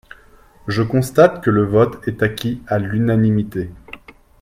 Je constate que le vote est acquis à l’unanimité.